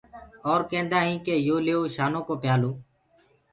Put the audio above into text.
اور ڪيندآ هينٚ ڪي يو ليوو شانو ڪو پيآلو۔